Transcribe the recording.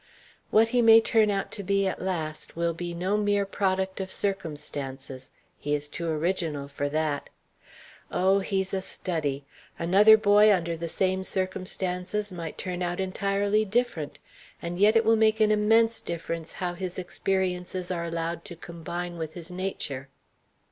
What he may turn out to be at last will be no mere product of circumstances; he is too original for that. Oh, he's a study! Another boy under the same circumstances might turn out entirely different; and yet it will make an immense difference how his experiences are allowed to combine with his nature."